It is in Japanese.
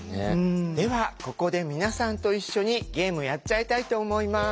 ではここで皆さんと一緒にゲームをやっちゃいたいと思います。